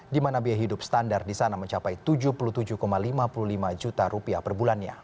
di mana biaya hidup standar di sana mencapai rp tujuh puluh tujuh lima puluh lima juta rupiah per bulannya